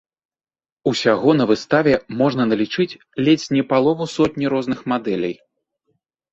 Усяго на выставе можна налічыць ледзь не палову сотні розных мадэлей.